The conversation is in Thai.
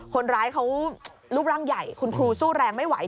คนร้ายเขารูปร่างใหญ่คุณครูสู้แรงไม่ไหว